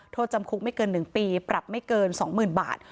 โทษจำคุกไม่เกิน๑ปีปรับไม่เกิน๒๐๐๐บาท